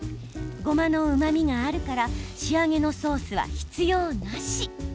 ごまのうまみがあるから仕上げのソースは必要なし。